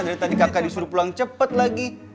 dari tadi kakak disuruh pulang cepat lagi